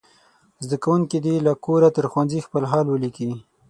زده کوونکي دې له کوره تر ښوونځي خپل حال ولیکي.